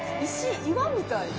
岩みたい。